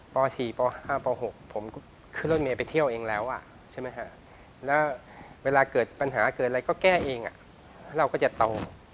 ป๔ป๕ป๖ผมก็ขึ้นรถเมย์ไปเที่ยวเองแล้วใช่ไหมฮะแล้วเวลาเกิดปัญหาเกิดอะไรก็แก้เองแล้วเราก็จะโต